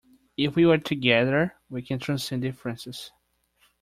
If we work together we can transcend differences.